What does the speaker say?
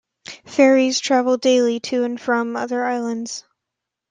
Ferries travel daily to and from other islands.